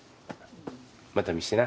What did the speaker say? また見してな。